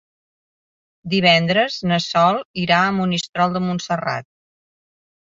Divendres na Sol irà a Monistrol de Montserrat.